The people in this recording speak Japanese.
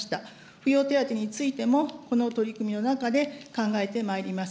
扶養手当についても、この取り組みの中で考えてまいります。